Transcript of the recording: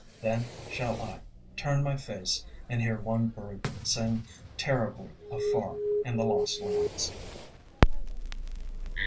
Then shall I turn my face, and hear one bird Sing terribly afar in the lost lands.